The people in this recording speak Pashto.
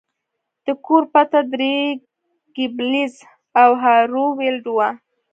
د کور پته درې ګیبلز او هارو ویلډ وه